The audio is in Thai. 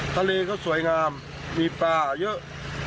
ทะเลก็สวยงามมีปลาเยอะ